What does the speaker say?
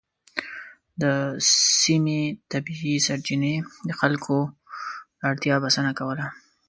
د سیمې طبیعي سرچینو د خلکو د اړتیا بسنه کوله.